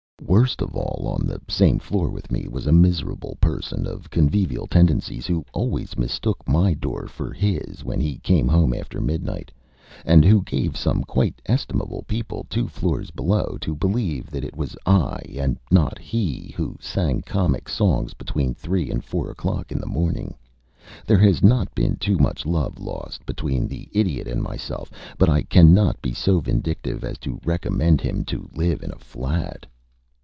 Worst of all, on the same floor with me was a miserable person of convivial tendencies, who always mistook my door for his when he came home after midnight, and who gave some quite estimable people two floors below to believe that it was I, and not he, who sang comic songs between three and four o'clock in the morning. There has not been too much love lost between the Idiot and myself, but I cannot be so vindictive as to recommend him to live in a flat."